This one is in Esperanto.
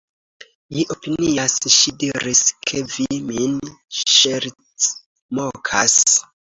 Mi opinias, ŝi diris, ke vi min ŝercmokas.